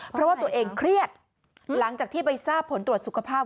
เพราะว่าตัวเองเครียดหลังจากที่ไปทราบผลตรวจสุขภาพ